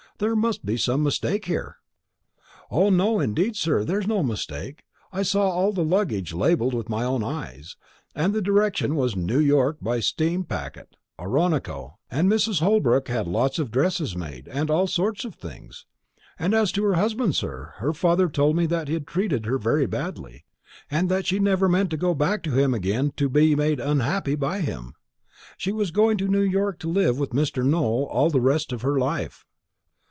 There must be some mistake here." "O no, indeed, sir, there's no mistake. I saw all the luggage labelled with my own eyes, and the direction was New York by steam packet Oronoco; and Mrs. Holbrook had lots of dresses made, and all sorts of things. And as to her husband, sir, her father told me that he'd treated her very badly, and that she never meant to go back to him again to be made unhappy by him. She was going to New York to live with Mr. Nowell all the rest of her life."